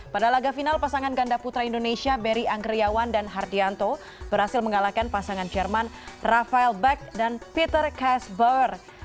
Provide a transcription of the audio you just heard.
pada laga final pasangan ganda putra indonesia beri anggriawan dan hardianto berhasil mengalahkan pasangan jerman rafael beck dan peter kasber